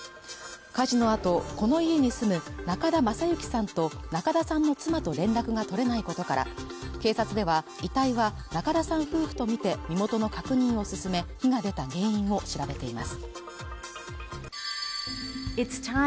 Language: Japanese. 火事のあとこの家に住む中田雅之さんと中田さんの妻と連絡が取れないことから警察では遺体は中田さん夫婦とみて身元の確認を進め火が出た原因を調べています